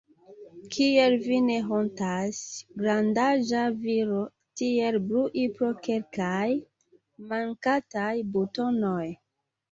Kiel vi ne hontas, grandaĝa viro, tiel brui pro kelkaj mankantaj butonoj!